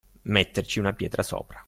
Metterci una pietra sopra.